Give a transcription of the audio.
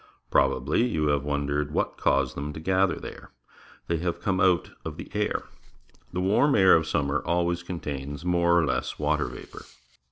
Probably you have wondered what caused them to gather there. They have come out of the air. The warm air of summer always contains more or less water vapour.